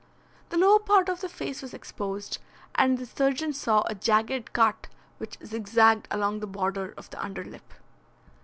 The lower part of the face was exposed, and the surgeon saw a jagged cut which zigzagged along the border of the under lip.